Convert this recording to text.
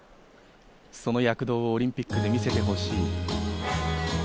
その躍動をオリンピックで見せてほしい。